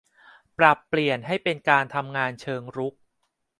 ปรับเปลี่ยนให้เป็นการทำงานเชิงรุก